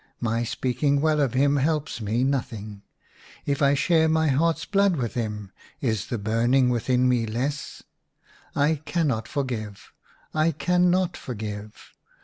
My speaking well of him helps me nothing! If I share my heart's blood with him, is the burning within me less } I cannot forgive ; I cannot forgive